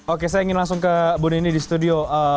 oke saya ingin langsung ke bundi ini di studio